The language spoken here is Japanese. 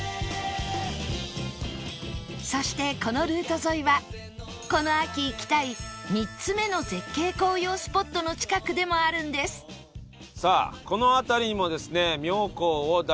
そしてこのルート沿いはこの秋行きたい３つ目の絶景紅葉スポットの近くでもあるんですがございます。